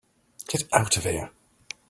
Get out of here.